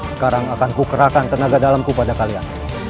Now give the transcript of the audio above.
sekarang akan kukerahkan tenaga dalamku pada kalian